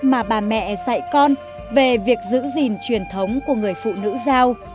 mà bà mẹ dạy con về việc giữ gìn truyền thống của người phụ nữ giao